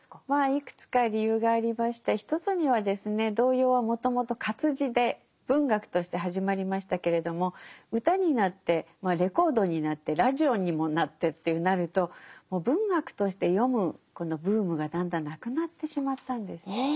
まあいくつか理由がありまして一つにはですね童謡はもともと活字で文学として始まりましたけれども歌になってレコードになってラジオにもなってってなるともう文学として読むこのブームがだんだんなくなってしまったんですね。